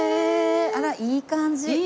あらいい感じ。